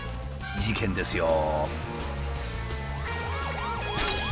事件ですよ。